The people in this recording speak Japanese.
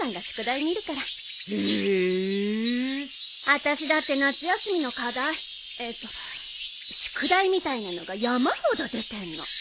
あたしだって夏休みの課題えっと宿題みたいなのが山ほど出てんの。